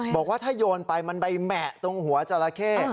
บอกว่าถ้าโยนไปมันไปแหมะตรงหัวจราเข้